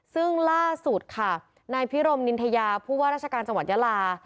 ซึ่งล่าสุดค่ะนายพิรมนินทยาผู้ว่าราชการจังหวัดยาลา